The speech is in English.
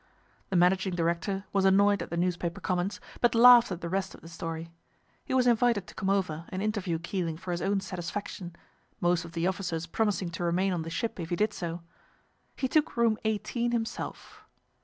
The managing director was annoyed at the newspaper comments, but laughed at the rest of the story. He was invited to come over and interview Keeling for his own satisfaction, most of the officers promising to remain on the ship if he did so. He took Room 18 himself.